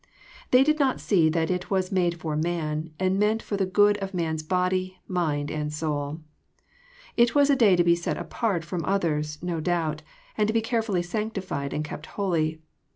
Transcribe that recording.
They did not see that it was '' made for man/' and meant for the good of man's body, mind, and soul. It was a day to be set apart from others, no doubt, and to be carefully sanctified and kept holy.